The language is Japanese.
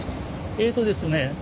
えっとですね